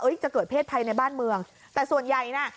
จะเกิดเพศภัยในบ้านเมืองแต่ส่วนใหญ่น่ะ